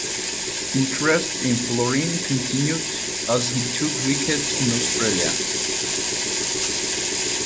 Interest in Florin continued as he took wickets in Australia.